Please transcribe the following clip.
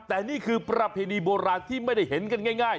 แต่นี่คือประเพณีโบราณที่ไม่ได้เห็นกันง่าย